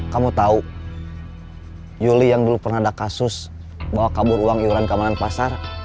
kamu tahu yuli yang dulu pernah ada kasus bawa kabur uang iuran keamanan pasar